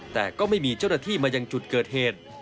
แต่ก็ไม่มีเจ้าหน้าที่มายังจุดเกิดเหตุ